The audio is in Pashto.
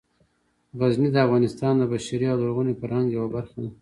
غزني د افغانستان د بشري او لرغوني فرهنګ یوه برخه ده.